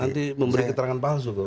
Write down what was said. nanti memberi keterangan palsu